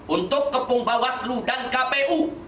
untuk kepung bawah selu dan kpu